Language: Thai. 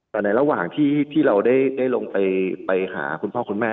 แต่ในระหว่างที่เราได้ลงไปหาคุณพ่อคุณแม่